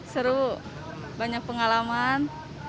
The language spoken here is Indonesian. seru banyak pengalaman